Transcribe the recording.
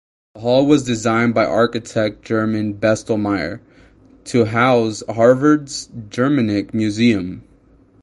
The hall was designed by architect German Bestelmeyer to house Harvard's Germanic Museum.